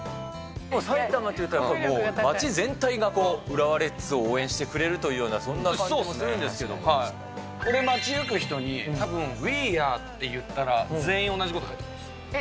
埼玉といったら、街全体が浦和レッズを応援してくれるというようなそんな気もする街行く人に、たぶん、ウィー・アーって言ったら、全員同じこと返ってきます。